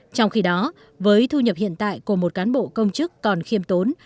trong khi đó với thu nhập hiện tại của một cán bộ công chức còn khiêm tốn